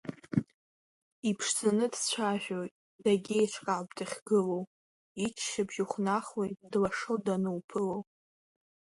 Иԥшӡаны дцәажәоит, дагьеиҿкаауп дахьгылоу, иччаԥшь ухнахуеит длашо дануԥыло!